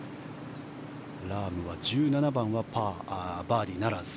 ラームは１７番はバーディーならず。